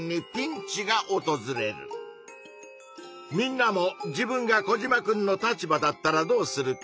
みんなも自分がコジマくんの立場だったらどうするか。